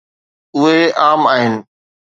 اهي عام آهن.